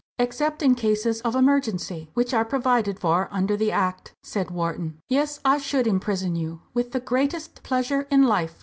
"Except in cases of emergency, which are provided for under the Act," said Wharton. "Yes, I should imprison you, with the greatest pleasure in life.